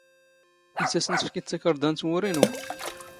ⵉⵙ ⴰⵙⵏ ⵜⴼⴽⵉⴷ ⵜⴰⴽⴰⵕⴹⴰ ⵏ ⵜⵡⵓⵔⵉ ⵉⵏⵓ?